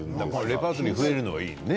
レパートリーが増えるのがいいよね。